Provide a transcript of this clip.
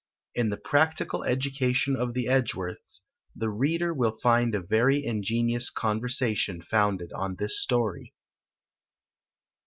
In the "Practical Education" of the Edgeworths, the reader will find a very ingenious conversation founded on this story.